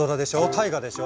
大河でしょ？